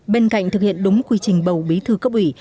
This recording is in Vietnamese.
bên cạnh thực hiện đúng quy trình bầu bí thư cấp ủy